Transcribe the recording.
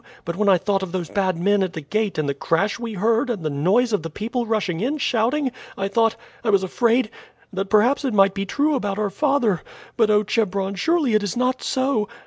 But when I thought of those bad men at the gate, and the crash we heard, and the noise of the people rushing in shouting, I thought I was afraid that perhaps it might be true about our father. But, oh, Chebron, surely it is not so?"